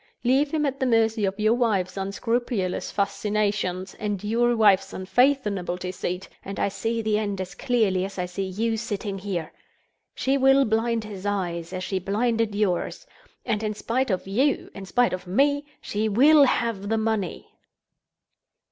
Leave him at the mercy of your wife's unscrupulous fascinations and your wife's unfathomable deceit, and I see the end as certainly as I see you sitting there! She will blind his eyes, as she blinded yours; and, in spite of you, in spite of me, she will have the money!"